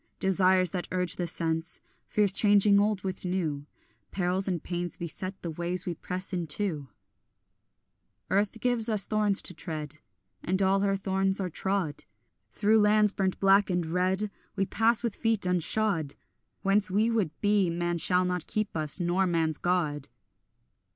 Desires that urge the sense, Fears changing old with new, Perils and pains beset the ways we press into; Earth gives us thorns to tread, And all her thorns are trod; Through lands burnt black and red We pass with feet unshod; Whence we would be man shall not keep us, nor man's God.